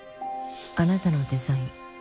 「あなたのデザイン」